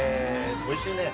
おいしいね。